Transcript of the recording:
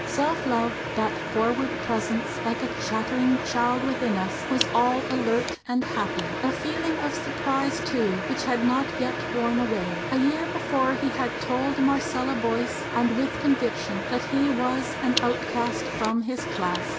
Self love, "that froward presence, like a chattering child within us," was all alert and happy. A feeling of surprise, too, which had not yet worn away. A year before he had told Marcella Boyce, and with conviction, that he was an outcast from his class.